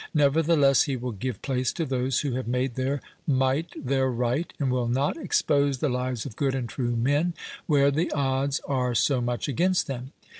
Nevertheless, he will give place to those who have made their might their right, and will not expose the lives of good and true men, where the odds are so much against them.